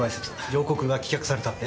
上告が棄却されたって？